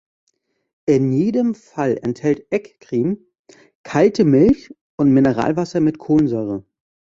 In jedem Fall enthält "Egg cream" kalte Milch und Mineralwasser mit Kohlensäure.